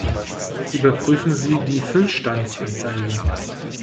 Überprüfen Sie die Füllstandsanzeige!